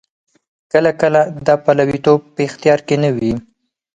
کله کله دا پلویتوب په اختیار کې نه وي.